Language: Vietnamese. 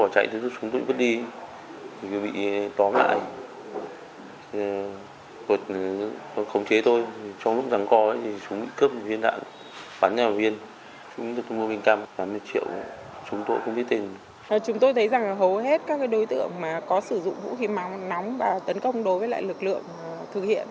chúng tôi thấy rằng hầu hết các đối tượng có sử dụng vũ khí máu nóng và tấn công đối với lực lượng thực hiện